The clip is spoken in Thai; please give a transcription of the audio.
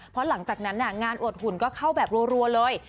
เพราะหลังจากนั้นงานอวดหุ่นก็เข้าแบบรัวเลย